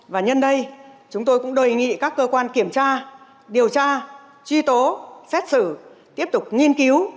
và nhân đây chúng tôi cũng đề nghị các cơ quan kiểm tra điều tra truy tố xét xử tiếp tục nghiên cứu